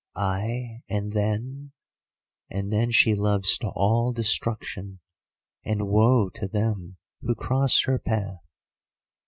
"'Ay, and then——?' "'And then she loves to all destruction, and woe to them who cross her path.